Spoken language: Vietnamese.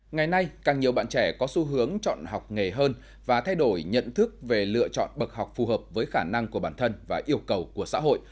ngày nay càng nhiều bạn trẻ có xu hướng chọn học nghề hơn và thay đổi nhận thức về lựa chọn bậc học phù hợp với khả năng của bản thân và yêu cầu của xã hội